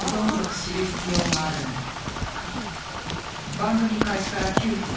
番組開始から９分。